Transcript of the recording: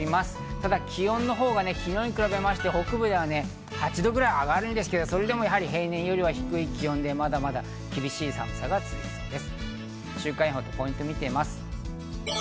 ただ気温のほうが昨日に比べて北部では８度くらい上がるんですが、それでも平年より低い気温、まだまだ厳しい寒さが続きそうです。